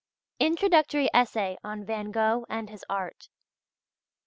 INTRODUCTORY ESSAY ON VAN GOGH AND HIS ART.